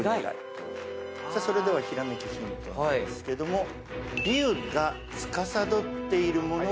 それではひらめきヒントなんですけども龍がつかさどっているものは何か？